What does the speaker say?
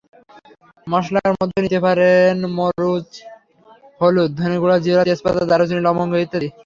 মসলার মধ্যে নিতে পারেন মরিচ, হলুদ, ধনেগুঁড়া, জিরা, তেজপাতা, দারুচিনি, লবঙ্গ ইত্যাদি।